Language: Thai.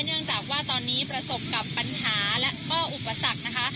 เนื่องจากว่าตอนนี้ประสบกับปัญหาและก็อุปสรรคนะคะ